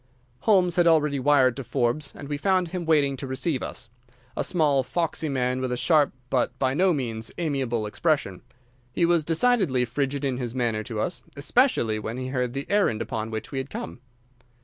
Holmes had already wired to Forbes, and we found him waiting to receive us—a small, foxy man with a sharp but by no means amiable expression. He was decidedly frigid in his manner to us, especially when he heard the errand upon which we had come.